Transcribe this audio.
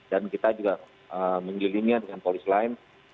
dan kita juga menggilinya dengan polis lainnya